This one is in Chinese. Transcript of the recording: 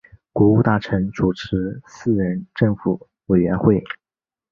国务大臣主持四人政府委员会。